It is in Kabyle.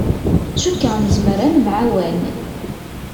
Cukkeɣ nezmer ad nemεawan.